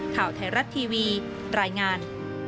ข่าวไทยรัฐทีวีรายงาน